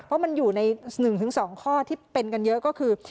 เพราะมันอยู่ใน๑๒ข้อที่เป็นกันเยอะก็คือ